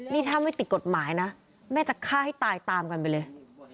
นี่ถ้าไม่ติดกฎหมายนะแม่จะฆ่าให้ตายตามกันไปเลย